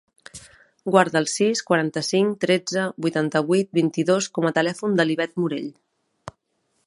Guarda el sis, quaranta-cinc, tretze, vuitanta-vuit, vint-i-dos com a telèfon de l'Ivet Morell.